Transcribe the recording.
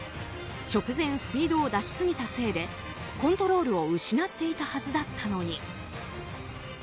直前、スピードを出しすぎたせいでコントロールを失っていたはずだったのに。